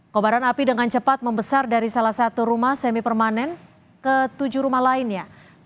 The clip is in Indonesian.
kobaran api dengan cepat membesar dari salah satu rumah semi permanen ke tujuh rumah lainnya